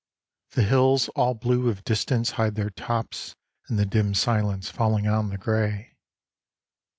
The hills all blue with distance hide their tops In the dim silence falling on the grey.